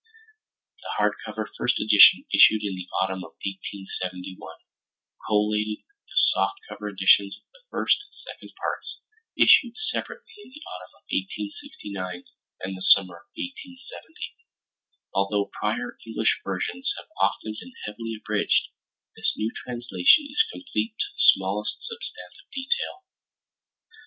—the hardcover first edition issued in the autumn of 1871, collated with the softcover editions of the First and Second Parts issued separately in the autumn of 1869 and the summer of 1870. Although prior English versions have often been heavily abridged, this new translation is complete to the smallest substantive detail.